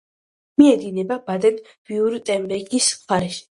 მიედინება ბადენ-ვიურტემბერგის მხარეში.